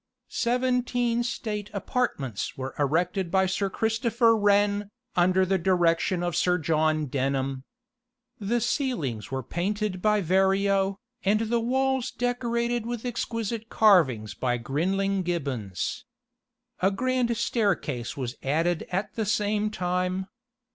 Seventeen state apartments were erected by Sir Christopher Wren, under the direction of Sir John Denham. The ceilings were painted by Verrio, and the walls decorated with exquisite carvings by Grinling Gibbons. A grand staircase was added at the same time.